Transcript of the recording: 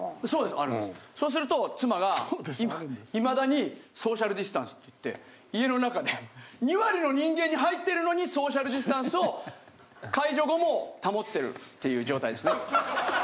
そうすると妻がいまだに。って言って家の中で２割の人間に入ってるのにソーシャルディスタンスを解除後も保ってるっていう状態ですね。